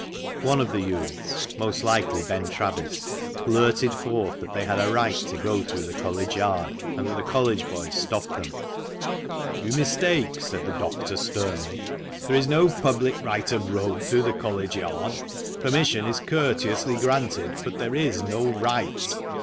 One of the youths — most likely Ben Travis — blurted forth that they had a right to go through the College Yard, and that the College boys stopped them. "You mistake," said the doctor, sternly; "there is no public right of road through the College Yard. Permission is courteously granted, but there is no right.